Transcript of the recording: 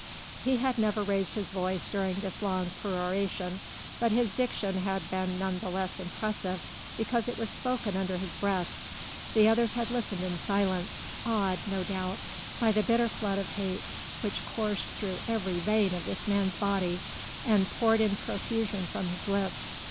He had never raised his voice during this long peroration, but his diction had been none the less impressive because it was spoken under his breath. The others had listened in silence, awed, no doubt, by the bitter flood of hate which coursed through every vein of this man's body and poured in profusion from his lips.